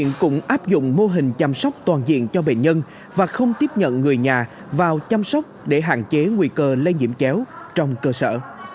bệnh viện cũng áp dụng mô hình chăm sóc toàn diện cho bệnh nhân và không tiếp nhận người nhà vào chăm sóc để hạn chế nguy cơ lây nhiễm chéo trong cơ sở